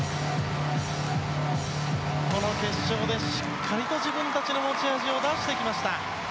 この決勝でしっかりと自分たちの持ち味を出してきました。